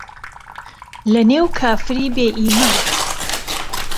له نێو کافری بێ ئیمان